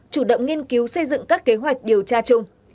chủ động nghiên cứu xây dựng các kế hoạch điều tra chung